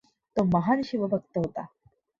तो महान शिवभक्त होता.